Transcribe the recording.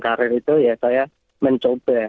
karir itu ya saya mencoba